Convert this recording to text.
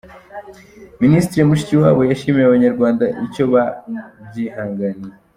Minisitiri Mushikiwabo yashimiye Abanyarwanda icyo babyihanganiye.